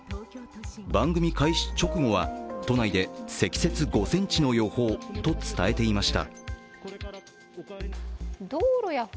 番組開始直後は都内で積雪５ｃｍの予報と伝えていました。